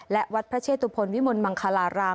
และวัดพระเชตุพลวิมลมังคลาราม